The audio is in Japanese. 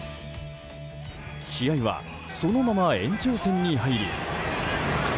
試合はそのまま延長戦に入り。